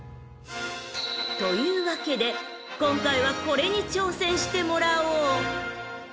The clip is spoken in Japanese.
［というわけで今回はこれに挑戦してもらおう］